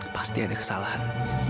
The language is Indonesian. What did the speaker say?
pasti ada kesalahan